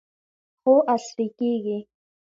خو عصري کیږي.